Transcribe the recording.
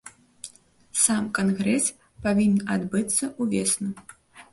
Сам кангрэс павінен адбыцца ўвесну.